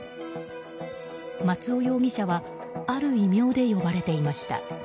松尾容疑者はある異名で呼ばれていました。